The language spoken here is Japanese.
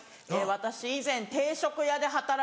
私以前定食屋で働いてた。